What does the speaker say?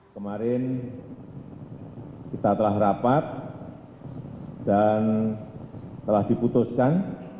kemarin kita telah rapat dan telah diputuskan